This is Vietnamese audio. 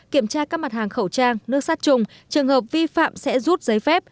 kiểm tra các mặt hàng khẩu trang nước sát trùng trường hợp vi phạm sẽ rút giấy phép